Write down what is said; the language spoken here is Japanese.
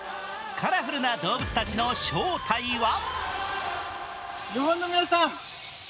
カラフルな動物たちの正体は？